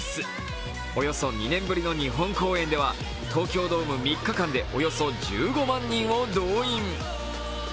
およそ２年ぶりの日本公演では東京ドーム３日間でおよそ１５万人を動員。